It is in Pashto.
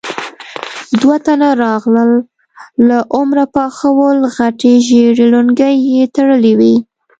دوه تنه راغلل، له عمره پاخه ول، غټې ژېړې لونګۍ يې تړلې وې.